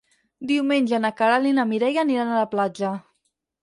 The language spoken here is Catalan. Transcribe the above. Diumenge na Queralt i na Mireia aniran a la platja.